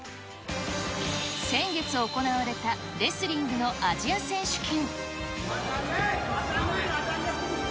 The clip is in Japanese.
先月行われたレスリングのアジア選手権。